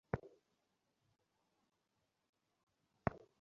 পরে মনোয়ারা বেগম নিজেই স্থানীয় লোকজনকে লাশ গুম করে রাখা জায়গাটি দেখান।